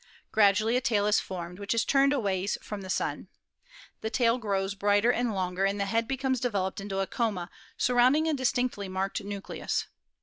Gradually a tail is formed, which is turned always from the Sun. The tail grows brighter and longer, and the head becomes developed into a coma surrounding a dis tinctly marked nucleus.